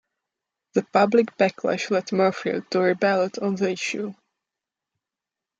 The public backlash led Muirfield to re-ballot on the issue.